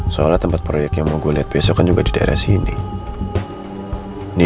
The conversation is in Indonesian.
soalnya tempat proyek yang mau gue liat besok kan juga di daerah sini